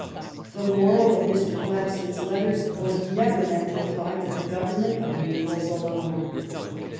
The moral of Mr. Gladstone s letters was never meant to apply to the Government of Naples alone.